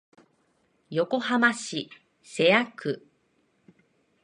横浜市瀬谷区